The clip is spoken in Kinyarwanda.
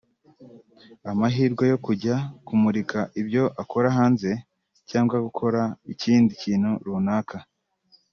amahirwe yo kujya kumurika ibyo ukora hanze cyangwa gukora ikindi kintu runaka